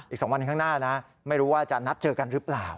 อีก๒วันข้างหน้านะไม่รู้ว่าจะนัดเจอกันหรือเปล่า